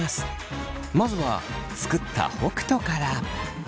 まずは作った北斗から。